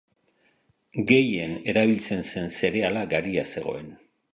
Gehien erabiltzen zen zereala garia zegoen.